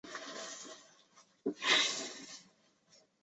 横殖短腺吸虫为双腔科短腺属的动物。